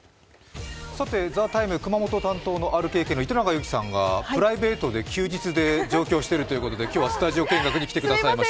「ＴＨＥＴＩＭＥ，」、熊本担当のＲＫＫ糸永さんが、プライベートで休日で上京しているということで今日はスタジオ見学に来てくださいました。